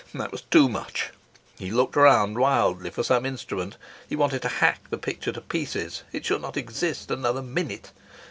That was too much. He looked round wildly for some instrument; he wanted to hack the picture to pieces; it should not exist another minute.